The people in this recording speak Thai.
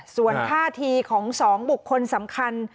ส่วนท่าทีของ๒บุคคลสำคัญ